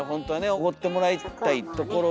おごってもらいたいところですけど。